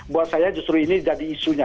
buat saya justru ini jadi isunya